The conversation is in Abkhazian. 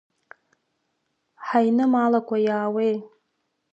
Ҳаинымаалакәа иаауеи!